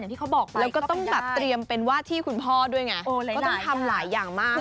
อย่างที่เขาบอกไว้ก็เป็นใหญ่